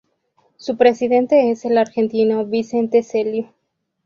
Su presidente es el argentino Vicente Celio.